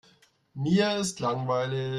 Mir ist langweilig.